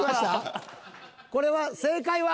これは正解は？